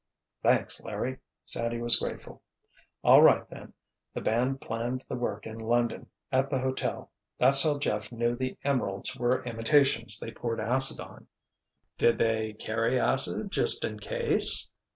"Thanks, Larry," Sandy was grateful. "All right, then, the band planned the work in London, at the hotel—that's how Jeff knew the emeralds were imitations they poured acid on." "Did they carry acid just in case?"